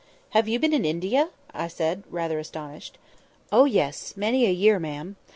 "Have you been in India?" said I, rather astonished. "Oh, yes! many a year, ma'am.